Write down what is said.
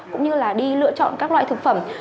cũng như là đi lựa chọn các loại thực phẩm